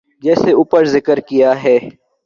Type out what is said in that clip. جیسے اوپر ذکر کیا ہے۔